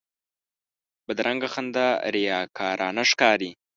بدرنګه خندا ریاکارانه ښکاري